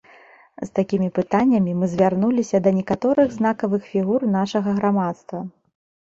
З такімі пытаннямі мы звярнуліся да некаторых знакавых фігур нашага грамадства.